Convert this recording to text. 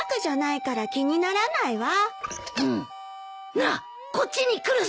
なあこっちに来るぞ！